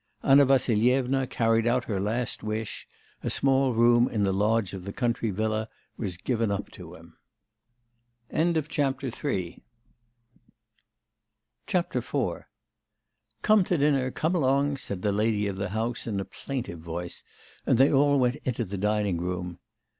Anna Vassilyevna carried out her last wish; a small room in the lodge of the country villa was given up to him. IV 'Come to dinner, come along,' said the lady of the house in a plaintive voice, and they all went into the dining room.